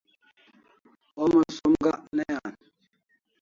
Homa som Gak ne an